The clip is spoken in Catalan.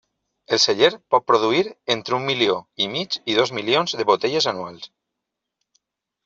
El celler pot produir entre un milió i mig i dos milions de botelles anuals.